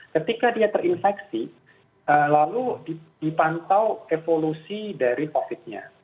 ketika dia terinfeksi lalu dipantau evolusi dari covidnya